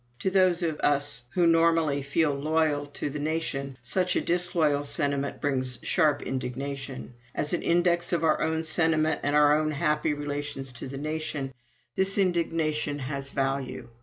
To those of us who normally feel loyal to the nation, such a disloyal sentiment brings sharp indignation. As an index of our own sentiment and our own happy relations to the nation, this indignation has value.